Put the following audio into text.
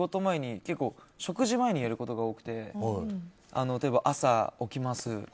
食事前に行くことが多くて例えば、朝起きます。